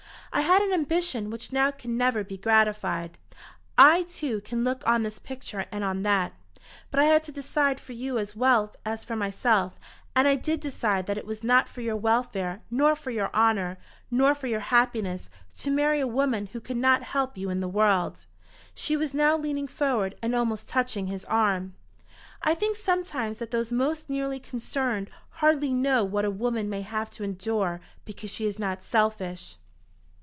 I had an ambition which now can never be gratified. I, too, can look on this picture and on that. But I had to decide for you as well as for myself, and I did decide that it was not for your welfare nor for your honour, nor for your happiness to marry a woman who could not help you in the world." She was now leaning forward and almost touching his arm. "I think sometimes that those most nearly concerned hardly know what a woman may have to endure because she is not selfish."